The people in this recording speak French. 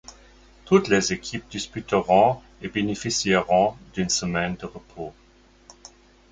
Toutes les équipes disputeront et bénéficieront d'une semaine de repos.